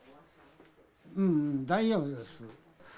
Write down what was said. うん大丈夫です。